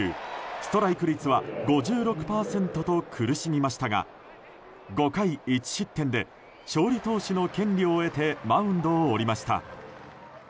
ストライク率は５６％と苦しみましたが５回１失点で勝利投手の権利を得てマウンドを降りました。